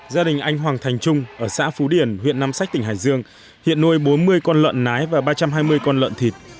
gia đình anh hoàng thành trung ở xã phú điển huyện nam sách tỉnh hải dương hiện nuôi bốn mươi con lợn nái và ba trăm hai mươi con lợn thịt